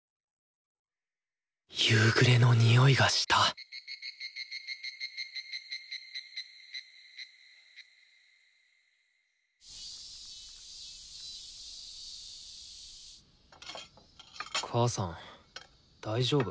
夕暮れのにおいがした母さん大丈夫？